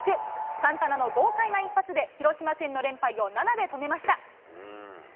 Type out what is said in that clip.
サンタナの豪快な一発で広島戦の連敗を７で止めました。